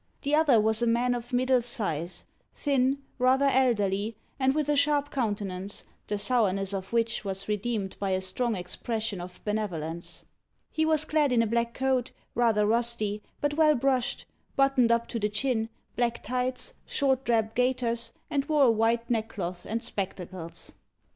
The other was a man of middle size, thin, rather elderly, and with a sharp countenance, the sourness of which was redeemed by a strong expression of benevolence. He was clad in a black coat, rather rusty, but well brushed, buttoned up to the chin, black tights, short drab gaiters, and wore a white neckcloth and spectacles.